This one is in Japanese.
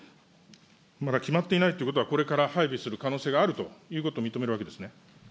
まだ決まっていないということは、これから配備する可能性があるということを認めるわけですね。